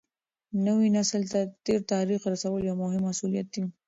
نوي نسل ته د تېر تاریخ رسول یو مهم مسولیت دی.